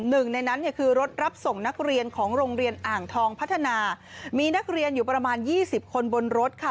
หนึ่งในนั้นเนี่ยคือรถรับส่งนักเรียนของโรงเรียนอ่างทองพัฒนามีนักเรียนอยู่ประมาณยี่สิบคนบนรถค่ะ